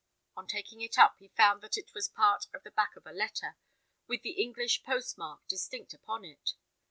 On taking it up, he found that it was part of the back of a letter, with the English post mark distinct upon it.